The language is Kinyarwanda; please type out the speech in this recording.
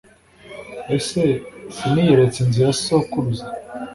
ese siniyeretse inzu ya sokuruza